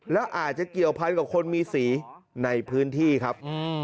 แล้วอาจจะเกี่ยวพันกับคนมีสีในพื้นที่ครับ